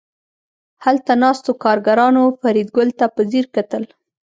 هلته ناستو کارګرانو فریدګل ته په ځیر کتل